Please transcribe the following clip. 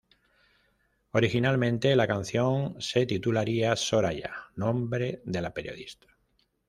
Originalmente la canción se titularía "Soraya", nombre de la periodista.